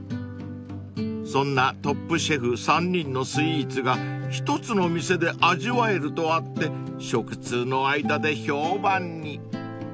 ［そんなトップシェフ３人のスイーツが１つの店で味わえるとあって食通の間で評判に］